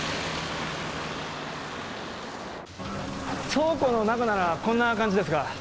倉庫の中ならこんな感じですが。